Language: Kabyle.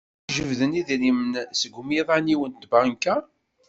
Wi ijebden idrimen seg umiḍan-iw n tbanka?